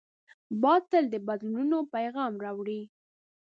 باد تل د بدلونو پیغام راوړي